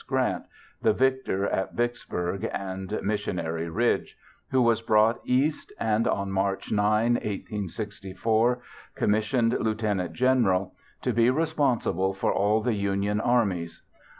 Grant, the victor at Vicksburg and Missionary Ridge, who was brought east and, on March 9, 1864, commissioned lieutenant general to be responsible for all the Union armies.